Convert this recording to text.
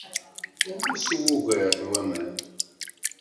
Rnu sew ugar n waman.